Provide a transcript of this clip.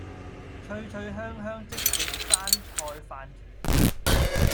脆脆香香即席山菜飯糰